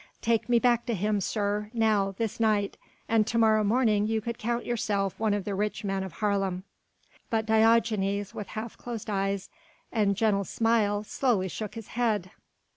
Take me back to him, sir, now, this night, and to morrow morning you could count yourself one of the rich men of Haarlem." But Diogenes with half closed eyes and gentle smile slowly shook his head.